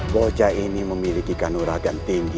bocah ini memiliki kanurakan tinggi